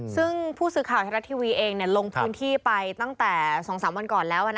ซึ่งผู้สื่อข่าวไทยรัฐทีวีเองลงพื้นที่ไปตั้งแต่๒๓วันก่อนแล้ว